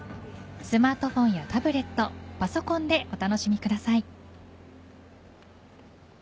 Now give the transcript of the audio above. スマートフォンやタブレットパソコンでお楽しみください。